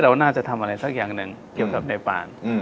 เราน่าจะทำอะไรสักอย่างหนึ่งเกี่ยวกับในปาน